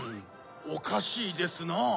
おかしいですなぁ。